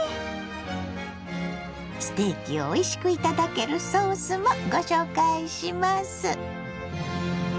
ステーキをおいしく頂けるソースもご紹介します。